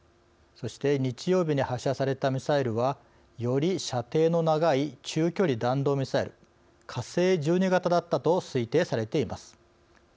そして日曜日に発射されたミサイルはより射程の長い中距離弾道ミサイル火星１２型だったと推定されています。